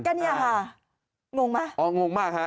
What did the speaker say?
ก็เนี่ยค่ะงงไหมอ๋องงมากฮะ